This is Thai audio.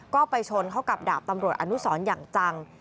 ก็ไปชนเข้ากับดาบตำรวจอนุสรอย่างจัง